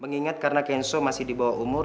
mengingat karena kenso masih di bawah umur